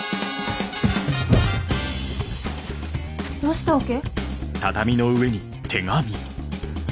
どうしたわけ？